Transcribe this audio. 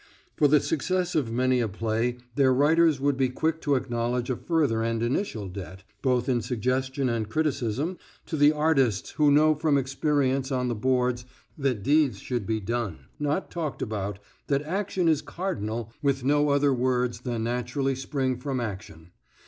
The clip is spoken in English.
For the success of many a play their writers would be quick to acknowledge a further and initial debt, both in suggestion and criticism, to the artists who know from experience on the boards that deeds should he done, not talked about, that action is cardinal, with no other words than naturally spring from action.